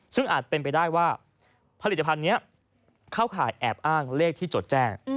ซึ่งอาจเป็นไปได้ว่าผลิตภัณฑ์นี้เข้าข่ายแอบอ้างเลขที่จดแจ้ง